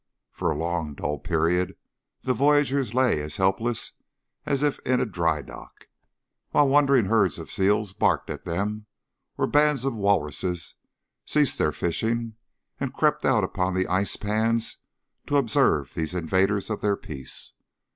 For a long, dull period the voyagers lay as helpless as if in dry dock, while wandering herds of seals barked at them or bands of walruses ceased their fishing and crept out upon the ice pans to observe these invaders of their peace.